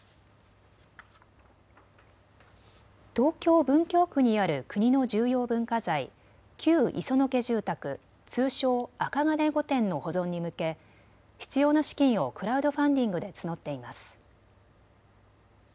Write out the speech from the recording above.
東京文京区にある国の重要文化財、旧磯野家住宅、通称、銅御殿の保存に向け必要な資金をクラウドファンディングで募っています。